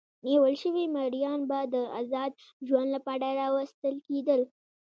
نیول شوي مریان به د ازاد ژوند لپاره راوستل کېدل.